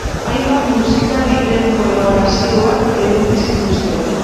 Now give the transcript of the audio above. Hainbat musikariren kolaborazioak eduki zituzten.